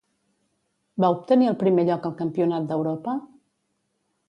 Va obtenir el primer lloc al Campionat d'Europa?